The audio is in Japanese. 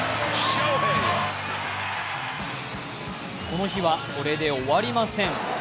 この日は、これで終わりません。